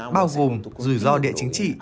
bao gồm rủi ro địa chính trị